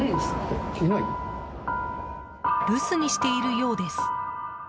留守にしているようです。